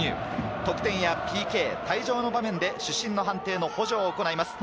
得点やＰＫ、退場の場面で主審の判定の補助を行います。